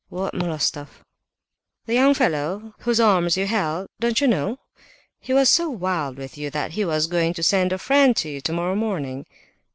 "What Moloftsoff?" "The young fellow whose arms you held, don't you know? He was so wild with you that he was going to send a friend to you tomorrow morning."